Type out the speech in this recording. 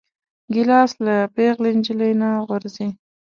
ګیلاس له پېغلې نجلۍ نه غورځي.